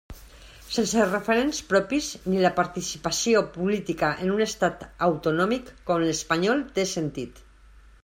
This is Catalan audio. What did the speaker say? Sense referents propis, ni la participació política en un Estat autonòmic com l'espanyol té sentit.